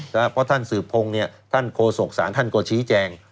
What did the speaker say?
เพราะท่านสืบพงศ์ท่านโคศกษานท่านกฎชี้แจง